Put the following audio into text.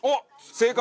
正解！